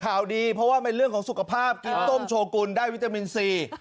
ข่าวดีเพราะว่าเป็นเรื่องของสุขภาพกินต้มโชกุลได้วิตามินซี